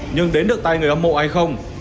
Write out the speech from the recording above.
nhưng đến được tay người hâm mộ hay không